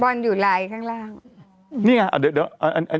บอลอยู่ลายข้างล่าง